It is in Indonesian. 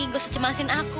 gak usah cemasin aku